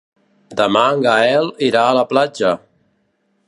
Demà en Gaël irà a la platja.